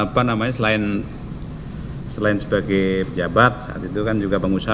apa namanya selain sebagai pejabat saat itu kan juga pengusaha